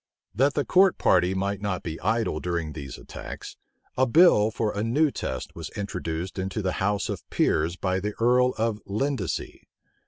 That the court party might not be idle during these attacks, a bill for a new test was introduced into the house of peers by the earl of Lindesey.